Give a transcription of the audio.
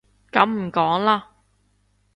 噉唔講囉